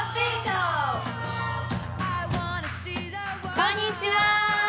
こんにちは！